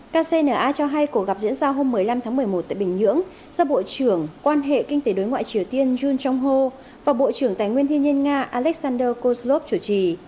kcna cho hay cuộc gặp diễn ra hôm một mươi năm tháng một mươi một tại bình nhưỡng do bộ trưởng quan hệ kinh tế đối ngoại triều tiên jun jong ho và bộ trưởng tài nguyên thiên nhiên nga alexander kozlov chủ trì